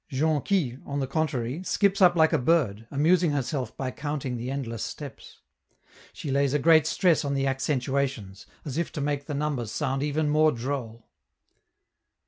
Jonquille, on the contrary, skips up like a bird, amusing herself by counting the endless steps. She lays a great stress on the accentuations, as if to make the numbers sound even more droll.